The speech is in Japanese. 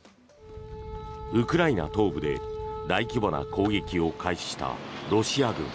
ウクライナ東部で大規模な攻撃を開始したロシア軍。